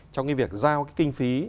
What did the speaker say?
trong cái việc giao cái kinh phí